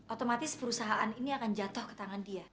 otomatis perusahaan ini akan jatuh ke tangan dia